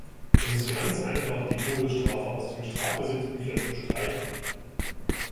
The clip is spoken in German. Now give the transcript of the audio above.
Es ist ganz einfach, die Todesstrafe aus den Strafgesetzbüchern zu streichen.